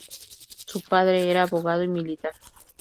Su padre era abogado y militar.